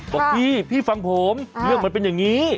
บอกพี่พี่ฟังผมเรื่องมันเป็นอย่างนี้